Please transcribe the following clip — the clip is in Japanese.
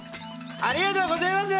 ありがとうごぜます！